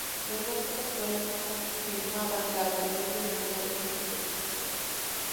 Los datos actuales no confirman la validez de ninguna de estas hipótesis.